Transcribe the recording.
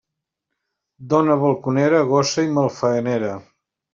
Dona balconera, gossa i malfaenera.